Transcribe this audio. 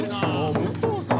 武藤さん